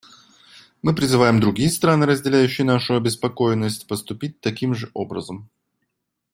Мы призываем другие страны, разделяющие нашу обеспокоенность, поступить таким же образом.